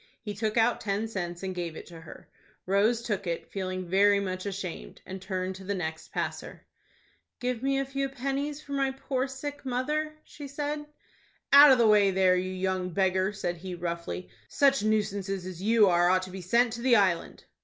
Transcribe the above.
He took out ten cents, and gave it to her. Rose took it, feeling very much ashamed, and turned to the next passer. "Give me a few pennies for my poor sick mother," she said. "Out of the way there, you young beggar!" said he, roughly. "Such nuisances as you are ought to be sent to the Island."